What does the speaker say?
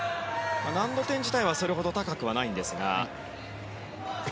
難度点自体はそれほど高くないんですが。